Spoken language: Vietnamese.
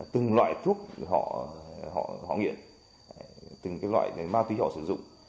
từng loại thuốc họ nghiện từng cái loại ma túy họ sử dụng